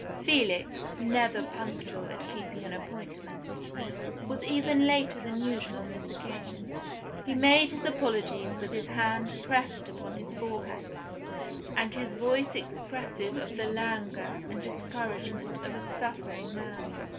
Felix, never punctual at keeping an appointment, was even later than usual on this occasion. He made his apologies with his hand pressed upon his forehead, and his voice expressive of the languor and discouragement of a suffering man.